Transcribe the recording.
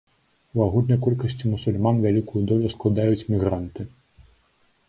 У агульнай колькасці мусульман вялікую долю складаюць мігранты.